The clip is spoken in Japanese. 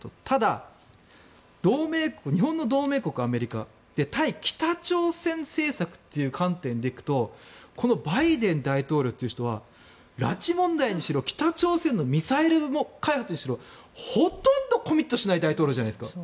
ただ、日本の同盟国、アメリカで対北朝鮮政策という観点でいくとこのバイデン大統領という人は拉致問題にしろ北朝鮮のミサイル開発にしろほとんどコミットしない大統領じゃないですか。